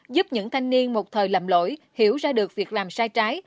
giúp những thanh niên một thời lầm lỗi hiểu ra được việc làm sai trái